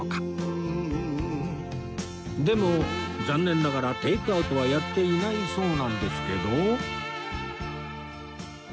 でも残念ながらテイクアウトはやっていないそうなんですけど